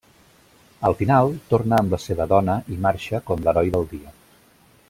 Al final, torna amb la seva dona i marxa com l'heroi del dia.